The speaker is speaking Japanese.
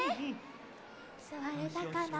すわれたかな？